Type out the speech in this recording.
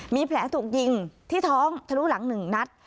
มีแผลถูกยิงที่ท้องทะลุหลัง๑นัด